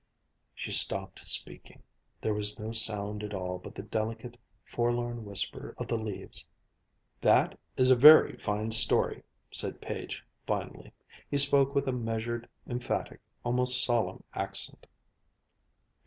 She stopped speaking. There was no sound at all but the delicate, forlorn whisper of the leaves. "That is a very fine story!" said Page finally. He spoke with a measured, emphatic, almost solemn accent.